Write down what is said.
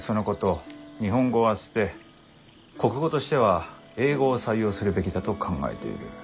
日本語は捨て国語としては英語を採用するべきだと考えている。